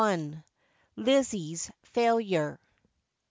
lizzie's failure.